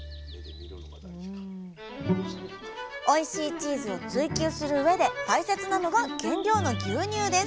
おいしいチーズを追求するうえで大切なのが原料の牛乳です。